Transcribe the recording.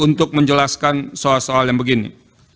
untuk menjelaskan soal soal yang begini